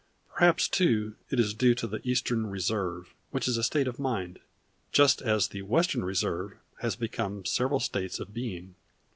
Perhaps too it is due to the Eastern Reserve, which is a State of Mind, just as the Western Reserve has become several States of Being.